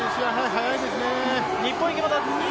速いですね。